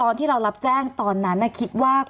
มีความรู้สึกว่ามีความรู้สึกว่า